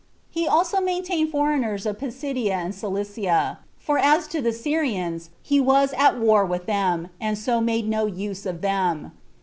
He also maintained foreigners of Pisidie and Cilicia; for as to the Syrians, he was at war with them, and so made no use of them.